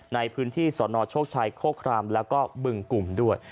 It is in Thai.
ในพื้นที่สนโชคชัยโคครามแล้วก็บึงกลุ่มด้วย